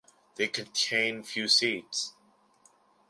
They contain few seeds.